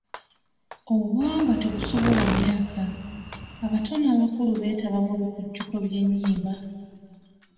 Obuwangwa tebusosola myaka: abato n'abakulu beetaba mu bikujjuko by'ennyimba.